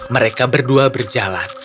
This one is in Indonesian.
mereka berdua berjalan